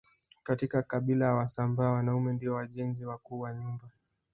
Katika kabila la wasambaa wanaume ndio wajenzi wakuu wa nyumba